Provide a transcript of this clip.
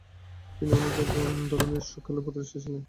তিনি অনেক ধরনের স্ট্রোক খেলায় পারদর্শী ছিলেন না।